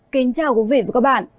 kính chào quý vị và các bạn